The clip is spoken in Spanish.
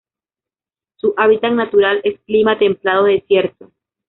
Su hábitat natural es clima templado desierto.